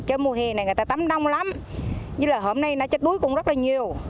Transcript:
cái mùa hè này người ta tắm đông lắm chứ là hôm nay nó chết đuối cũng rất là nhiều